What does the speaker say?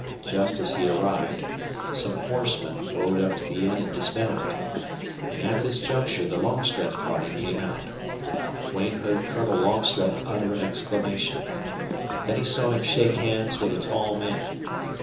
Just as he arrived some horsemen rode up to the inn and dismounted. And at this juncture the Longstreth party came out. Duane heard Colonel Longstreth utter an exclamation. Then he saw him shake hands with a tall man.